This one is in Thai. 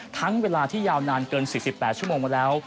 เวลาที่ยาวนานเกิน๔๘ชั่วโมงมาแล้ว